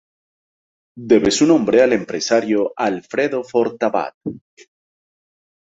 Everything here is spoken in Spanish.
Debe su nombre al empresario Alfredo Fortabat.